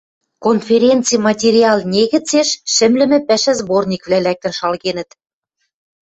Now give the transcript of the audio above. Конференци материал негӹцеш шӹмлӹмӹ пӓшӓ сборниквлӓ лӓктӹн шалгенӹт.